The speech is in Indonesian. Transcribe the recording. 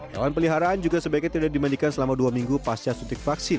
hewan peliharaan juga sebaiknya tidak dimandikan selama dua minggu pasca suntik vaksin